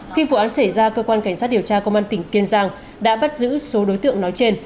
khi vụ án xảy ra cơ quan cảnh sát điều tra công an tỉnh kiên giang đã bắt giữ số đối tượng nói trên